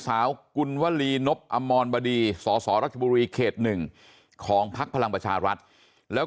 กุลวลีนบอมรบดีสสรัชบุรีเขตหนึ่งของพักพลังประชารัฐแล้ว